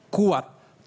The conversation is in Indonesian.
kuat tangguh dan berkata